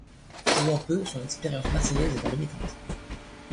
Jouant peu, son expérience marseillaise est en demi-teinte.